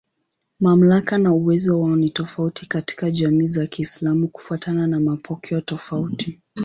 Mamlaka na uwezo wao ni tofauti katika jamii za Kiislamu kufuatana na mapokeo tofauti.